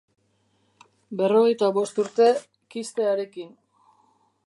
Berrogeita bost urte kiste harekin.